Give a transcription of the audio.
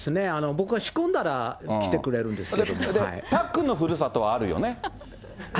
僕は仕込んだら来てくれるんですパックンの故郷はあるよね。